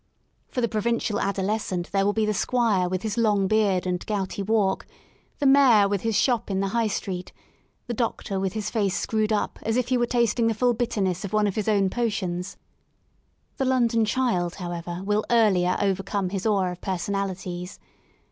For the provincial adolescent there will be the Squire with his long beard and gouty walk, the Mayor with his shop in the High Street, the Doctor with his face screwed up as if he were tasting the full bitterness of one of his own potion Si The London child, however, will earlier overcome his awe of personalities.